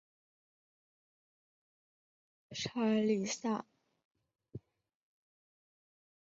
沙赫里萨布兹曾是中世纪西域古国史国南十里。